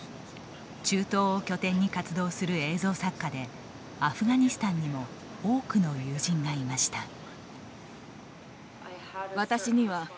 中東を拠点に活動する映像作家でアフガニスタンにも多くの友人がいました。